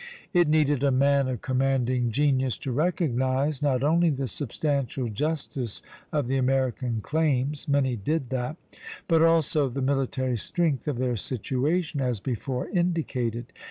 It needed a man of commanding genius to recognize, not only the substantial justice of the American claims, many did that, but also the military strength of their situation, as before indicated.